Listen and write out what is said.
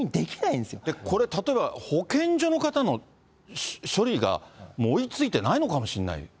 これ、例えば保健所の方の処理がもう追いついてないのかもしれない。